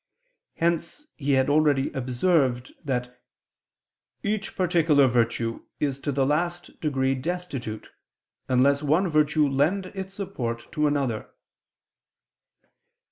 Hence he had already observed that "each particular virtue is to the last degree destitute, unless one virtue lend its support to another."